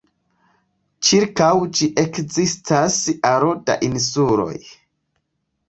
Ĉirkaŭ ĝi ekzistas aro da insuloj.